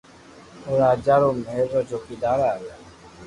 او راجا رو مھل را چوڪيدار اوني